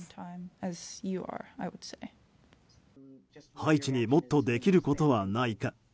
ハイチにもっとできることはないか。